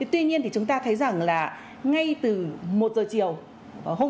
tuy nhiên thì chúng ta thấy rằng là ngay từ một giờ chiều